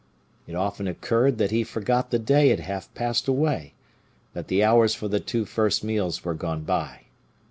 It often occurred that he forgot the day had half passed away, that the hours for the two first meals were gone by.